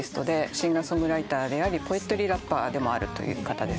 シンガー・ソングライターでありポエトリーラッパーでもあるという方です。